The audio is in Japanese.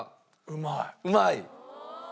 うまい。